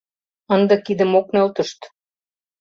Ынде кидым ок нӧлтышт.